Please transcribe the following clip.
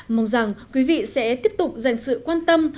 mong rằng quý vị sẽ tiếp tục dành sự quan tâm